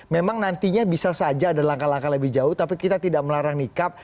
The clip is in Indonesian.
memang nantinya bisa saja ada langkah langkah lebih jauh tapi kita tidak melarang nikab